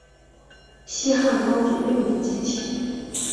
西汉高祖六年建县。